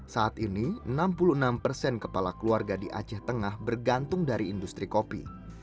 saat ini enam puluh enam persen kepala keluarga di aceh tengah bergantung dari industri kopi